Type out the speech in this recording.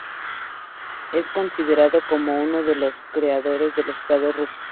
Es considerado como uno de los creadores del Estado ruso.